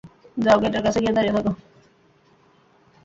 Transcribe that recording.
যাও গেটের কাছে গিয়ে দাঁড়িয়ে থাক।